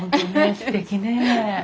すてきねえ。